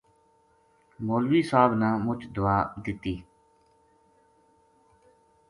مولوی صاحب نا مُچ دُعا دِتی